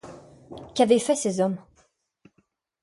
Qu’avaient fait ces hommes ?